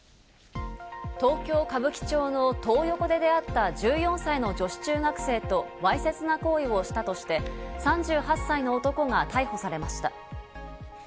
東京・歌舞伎町のトー横で出会った１４歳の女子中学生とわいせつな行為をしたとして、３８歳の男が逮捕されました。